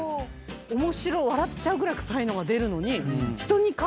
面白い笑っちゃうぐらい臭いのが出るのに。